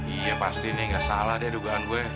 iya pasti nih gak salah deh dugaan gue